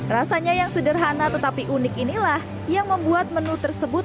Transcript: rasanya yang sederhana tetapi unik inilah yang membuat menu tersebut